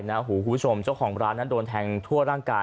คุณผู้ชมเจ้าของร้านนั้นโดนแทงทั่วร่างกาย